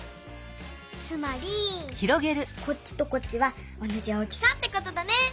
つまりこっちとこっちはおなじ大きさってことだね！